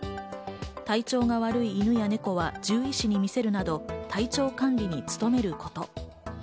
体調が悪い犬や猫は獣医師に診せるなど体調管理に努めること。